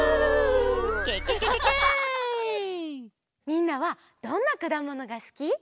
みんなはどんなくだものがすき？